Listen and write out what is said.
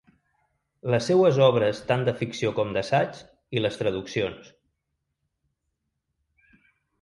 Les seues obres tant de ficció com d’assaig, i les traduccions.